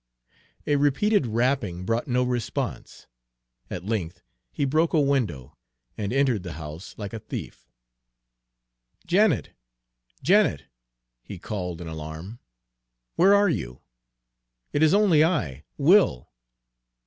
A repeated rapping brought no response. At length he broke a window, and entered the house like a thief. "Janet, Janet!" he called in alarm, "where are you? It is only I, Will!"